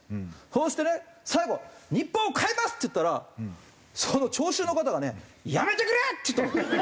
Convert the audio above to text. そうしてね最後「日本を変えます」って言ったらその聴衆の方がね「やめてくれ」って言ったの。